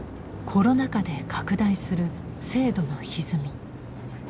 コロナ禍で拡大する制度の歪み。